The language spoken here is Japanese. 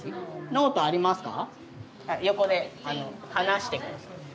ノートありますか？